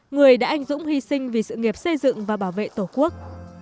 người đã anh dũng hy sinh vì sự nghiệp xây dựng và bảo vệ tổ quốc